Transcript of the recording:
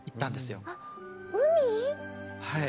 はい。